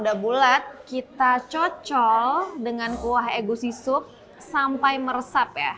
setelah udah bulat kita cocok dengan kuah egusi sup sampai meresap ya